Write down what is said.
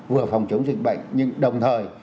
vừa phòng chống dịch bệnh nhưng đồng thời